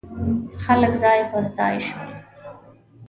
خلک ځای پر ځای شول.